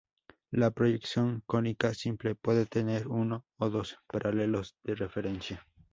La "proyección cónica simple" puede tener uno o dos paralelos de referencia.